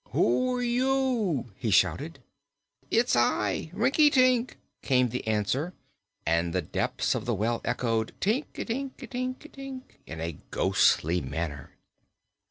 "Who are you?" he shouted. "It's I Rinkitink," came the answer, and the depths of the well echoed: "Tink i tink i tink!" in a ghostly manner.